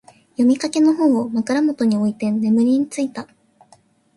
読みかけの本を、枕元に置いて眠りについた。